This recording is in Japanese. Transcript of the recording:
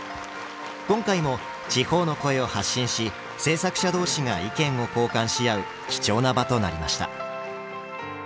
今回も地方の声を発信し制作者同士が意見を交換し合う貴重な場となりました。